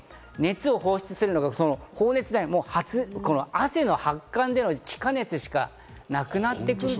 熱を放出するのが、汗の発汗での気化熱しかなくなってくる。